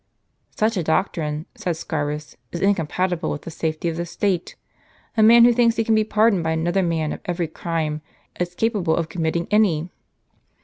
"Such a doctrine," said Scaurus, "is incompatible with the safety of the state. A man who thinks he can be pardoned by another man of every ciime, is capable of conniiitting any."